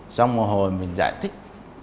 trong mùa hồi mình giải thích